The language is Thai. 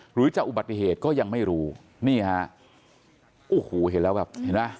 หรือจะอุบัติเหตุก็ยังไม่รู้นี่ฮะโอ้โหเห็นแล้วแบบเห็นไหม